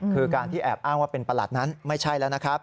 คือการที่แอบอ้างว่าเป็นประหลัดนั้นไม่ใช่แล้วนะครับ